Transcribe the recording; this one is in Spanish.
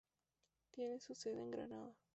Tiene su sede en Granada.